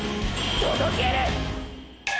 届ける！！